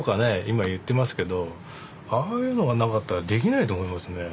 今言ってますけどああいうのがなかったらできないと思いますね